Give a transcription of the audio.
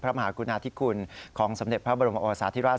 มหากุณาธิคุณของสมเด็จพระบรมโอสาธิราช